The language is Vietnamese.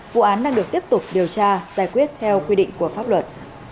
vụ án đang được tiếp tục điều tra giải quyết theo quy định của pháp luật